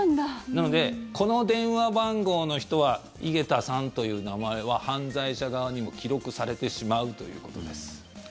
なのでこの電話番号の人は井桁さんという名前は犯罪者側にも記録されてしまうということです。